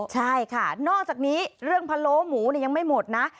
ใช่ค่ะนอกจากนี้เรื่องพะโล้หมูยังไม่หมดนะ